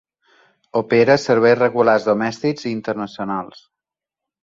Opera serveis regulars domèstics i internacionals.